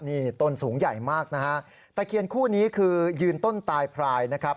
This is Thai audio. นี่ต้นสูงใหญ่มากนะฮะตะเคียนคู่นี้คือยืนต้นตายพรายนะครับ